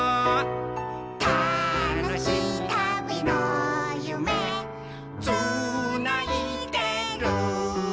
「たのしいたびのゆめつないでる」